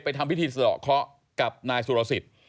ทำพิธีสะดอกเคาะกับนายสุรสิทธิ์